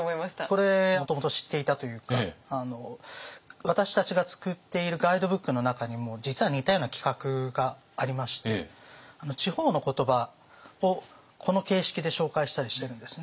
これもともと知っていたというか私たちが作っているガイドブックの中にも実は似たような企画がありまして地方の言葉をこの形式で紹介したりしてるんですね。